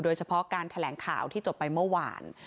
โดยเฉพาะการแถลงข่าวที่จบไปเมื่อวาน